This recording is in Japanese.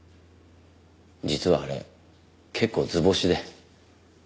実はあれ結構図星で。